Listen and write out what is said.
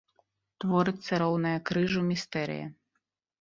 Творыцца роўная крыжу містэрыя.